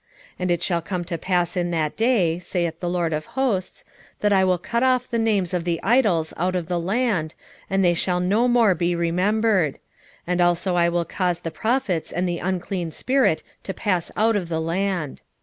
13:2 And it shall come to pass in that day, saith the LORD of hosts, that I will cut off the names of the idols out of the land, and they shall no more be remembered: and also I will cause the prophets and the unclean spirit to pass out of the land.